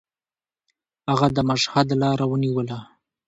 هغه د مشهد لاره ونیوله.